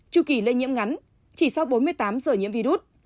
chu kỳ lây nhiễm ngắn chỉ sau bốn mươi tám giờ nhiễm virus